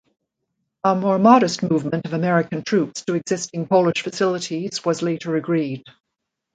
A more modest movement of American troops to existing Polish facilities was later agreed.